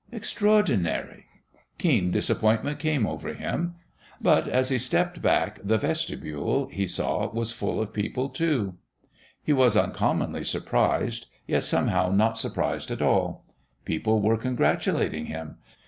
Extraordinary!... Keen disappointment came over him. But, as he stepped back, the vestibule, he saw, was full of people too. He was uncommonly surprised, yet somehow not surprised at all. People were congratulating him.